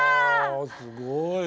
すごい。